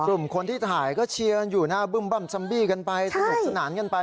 กลุ่มคนที่ถ่ายก็เชียร์อยู่หน้าซัมบี้กันไปสนุกสนานกันไป